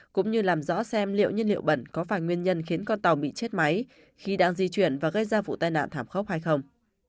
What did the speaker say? cũng như làm rõ xem liệu nhiên liệu bẩn có phải nguyên nhân khiến con tàu bị chết máy khi đang di chuyển và gây ra vụ tai nạn thảm khốc hay không